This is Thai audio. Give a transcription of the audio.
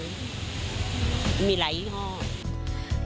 มีหลายยี่ห้อ